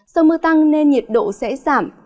sau mưa tăng nên nhiệt độ sẽ giảm